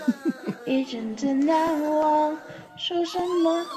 瘦中肢水蚤为异肢水蚤科中肢水蚤属下的一个种。